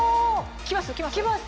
きます！